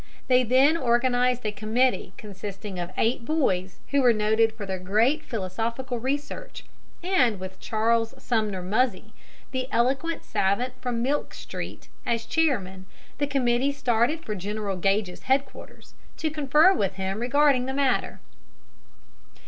They then organized a committee consisting of eight boys who were noted for their great philosophical research, and with Charles Sumner Muzzy, the eloquent savant from Milk Street, as chairman, the committee started for General Gage's head quarters, to confer with him regarding the matter.